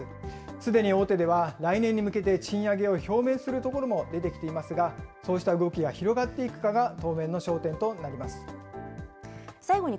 すでに大手では来年に向けて賃上げを表明するところも出てきていますが、そうした動きが広がっていくかが当面の焦点となります。